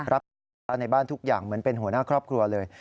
รับความช่วยเหลือในบ้านทุกอย่างเหมือนเป็นหัวหน้าครอบครัวเลย